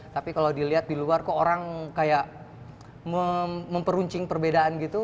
tapi kalau dilihat di luar kok orang kayak memperuncing perbedaan gitu